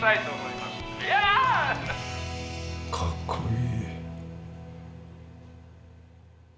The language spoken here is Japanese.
かっこいい。